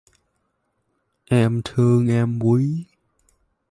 Em thương em quý